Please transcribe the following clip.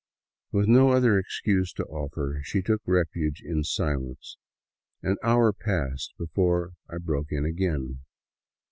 With no other excuse to offer, she took refuge in silence. An hour passed before I broke it again.